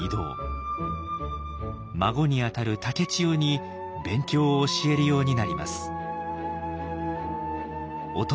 孫にあたる竹千代に勉強を教えるようになります。